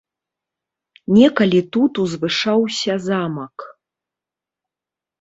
Некалі тут узвышаўся замак.